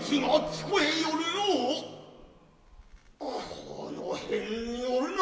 この辺におるな。